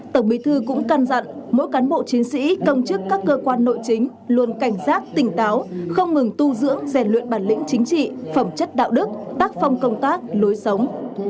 tổng bí thư cũng căn dặn mỗi cán bộ chiến sĩ công chức các cơ quan nội chính luôn cảnh giác tỉnh táo không ngừng tu dưỡng rèn luyện bản lĩnh chính trị phẩm chất đạo đức tác phong công tác lối sống